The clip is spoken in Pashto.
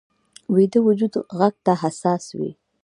ویده وجود غږ ته حساس وي